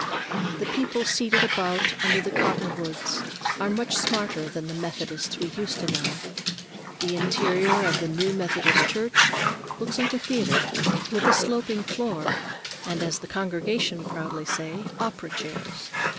The people seated about under the cottonwoods are much smarter than the Methodists we used to know. The interior of the new Methodist Church looks like a theater, with a sloping floor, and as the congregation proudly say, "opera chairs."